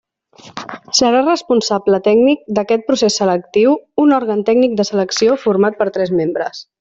Serà responsable tècnic d'aquest procés selectiu un òrgan tècnic de selecció format per tres membres.